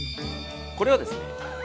これはですね